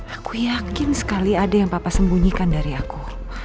aku yakin sekali ada yang papa sembunyikan dari aku